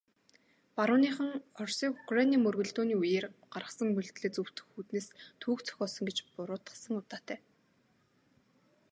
Барууныхан Оросыг Украины мөргөлдөөний үеэр гаргасан үйлдлээ зөвтгөх үүднээс түүх зохиосон гэж буруутгасан удаатай.